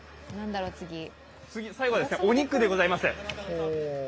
最後はお肉でございます。